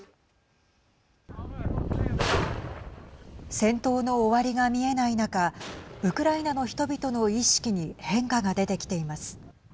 戦闘の終わりが見えない中ウクライナの人々の意識に変化が出てきています。